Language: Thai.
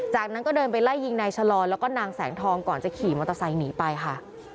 จากนั้นก็เดินไปไล่ยิงนายชะลอแล้วก็นางแสงทองก่อนจะขี่มอเตอร์ไซค์หนีไปค่ะ